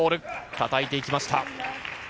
たたいていきました。